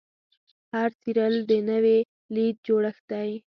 هر څیرل د نوې لید جوړښت دی.